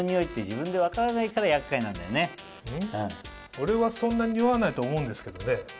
俺はそんなにおわないと思うんですけどね。